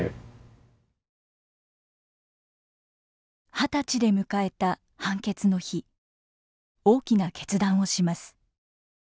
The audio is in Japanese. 二十歳で迎えた判決の日大きな決断をします。